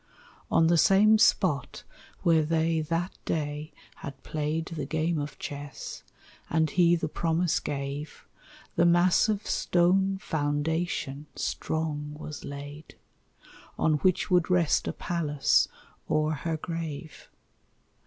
On the same spot where they that day had played The game of chess, and he the promise gave, The massive stone foundation strong was laid, On which would rest a palace o'er her grave.